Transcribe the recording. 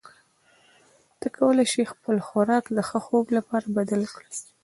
ته کولی شې خپل خوراک د ښه خوب لپاره بدل کړې.